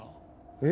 えっ？